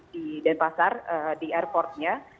di denpasar di airportnya